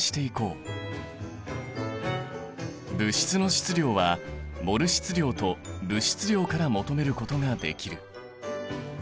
物質の質量はモル質量と物質量から求めることができる。